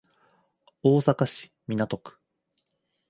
大阪市港区